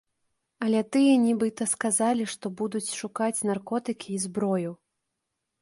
Але тыя нібыта сказалі, што будуць шукаць наркотыкі і зброю.